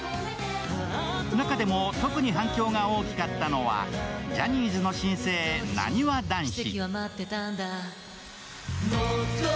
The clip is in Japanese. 中でも特に反響が大きかったのは、ジャニーズの新星・なにわ男子。